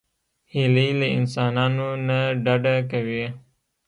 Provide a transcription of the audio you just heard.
هیلۍ له انسانانو نه ډډه کوي